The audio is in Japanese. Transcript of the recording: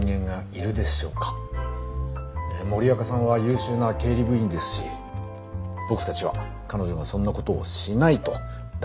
森若さんは優秀な経理部員ですし僕たちは彼女はそんなことをしないと断言できます。